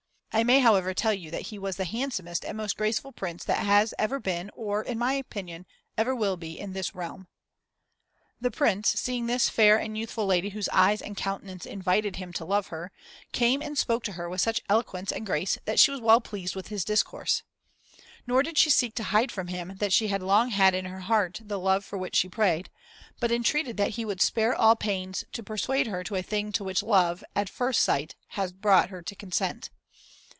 I may, however, tell you that he was the handsomest and most graceful Prince that has ever been or, in my opinion, ever will be in this realm. (2) 2 Francis L, prior to his accession. Ed. The Prince, seeing this fair and youthful lady whose eyes and countenance invited him to love her, came and spoke to her with such eloquence and grace that she was well pleased with his discourse. Nor did she seek to hide from him that she had long had in her heart the love for which he prayed, but entreated that he would spare all pains to persuade her to a thing to which love, at first sight, had brought her to consent.